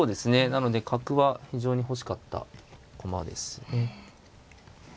なので角は非常に欲しかった駒ですね。